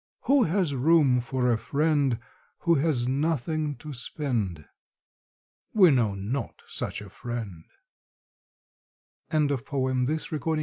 Who has room for a friend Who has nothing to spend? We know not such a friend. IN A WOOD Hush, 'tis thy voice!